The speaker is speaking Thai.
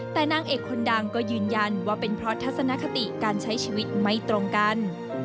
แต่นางเอกคนดังก็ยืนยันว่าเป็นเพราะทัศนคติการใช้ชีวิตไม่ตรงกัน